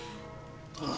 ああ。